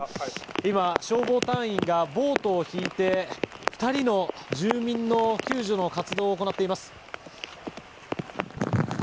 今、消防隊員がボートを引いて２人の住民の救助活動を行っています。